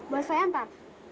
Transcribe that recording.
boleh saya hantar